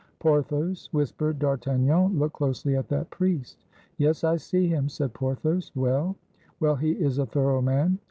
"Porthos," whispered D'Artagnan, "look closely at that priest." "Yes, I see him," said Porthos. "Well?" "Well, he is a thorough man."